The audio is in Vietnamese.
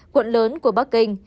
quận lớn của bắc kinh